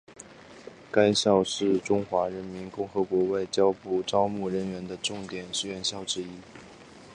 该校是中华人民共和国外交部招募人员的重点院校之一。